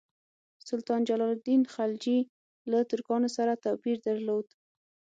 سلطان جلال الدین خلجي له ترکانو سره توپیر درلود.